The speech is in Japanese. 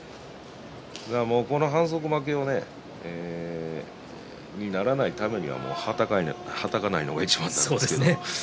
この反則負けにならないためにははたかないのがいちばんですけどね